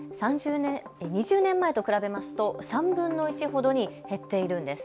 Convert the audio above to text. ２０年前と比べますと３分の１ほどに減っているんです。